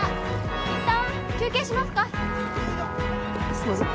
すいません。